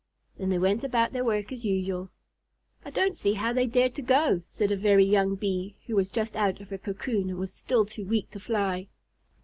Then they went about their work as usual. "I don't see how they dared to go," said a very young Bee who was just out of her cocoon and was still too weak to fly.